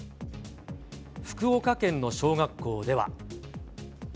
福岡県の小学校では。